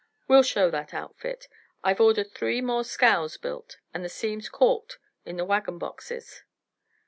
We'll show that outfit. I've ordered three more scows built and the seams calked in the wagon boxes."